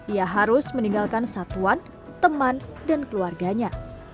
ia harus meninggalkan satuan teman dan keluarganya